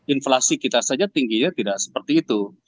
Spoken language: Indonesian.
inflasi kita saja tingginya tidak seperti itu